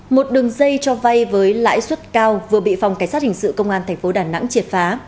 một đường dây cho vay với lãi suất cao vừa bị phòng cảnh sát hình sự công an tp đà nẵng triệt phá